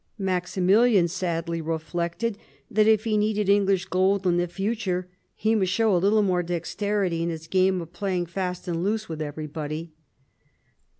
Maximilian sadly reflected that if he needed English gold in the future he must show a little more dexterity in his game of playing fast and loose with everybody.